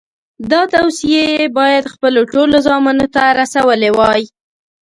دا توصیې یې باید خپلو ټولو زامنو ته رسولې وای.